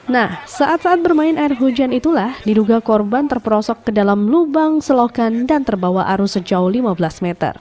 nah saat saat bermain air hujan itulah diduga korban terperosok ke dalam lubang selokan dan terbawa arus sejauh lima belas meter